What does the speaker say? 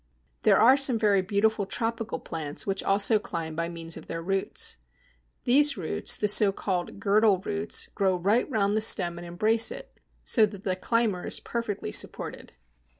There are some very beautiful tropical plants which also climb by means of their roots. These roots, the so called girdle roots, grow right round the stem and embrace it, so that the climber is perfectly supported.